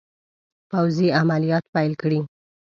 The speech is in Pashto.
پوځي عملیات پیل کړي.